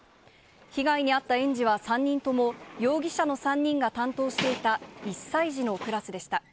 被害に遭った園児は、３人とも容疑者の３人が担当していた１歳児のクラスでした。